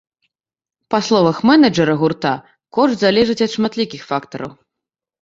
Па словах менеджара гурта, кошт залежыць ад шматлікіх фактараў.